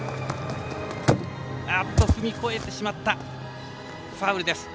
踏み越えてしまったファウルです。